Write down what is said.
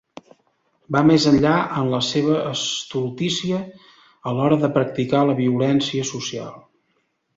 Va més enllà en la seva estultícia a l'hora de practicar la violència social.